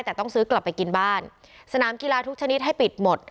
แต่ต้องซื้อกลับไปกินบ้านสนามกีฬาทุกชนิดให้ปิดหมด